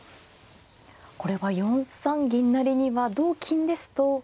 これは４三銀成には同金ですと。